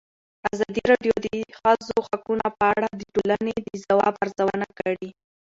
ازادي راډیو د د ښځو حقونه په اړه د ټولنې د ځواب ارزونه کړې.